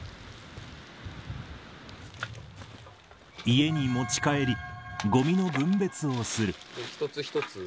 家に持ち帰り、ごみの分別をする。